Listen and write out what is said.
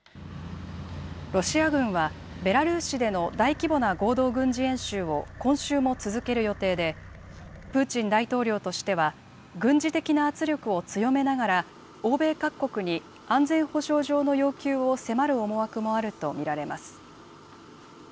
ロシア軍は、ベラルーシでの大規模な合同軍事演習を今週も続ける予定で、プーチン大統領としては、軍事的な圧力を強めながら欧米各国に安全保障上の要求を迫る思惑もあると見られます。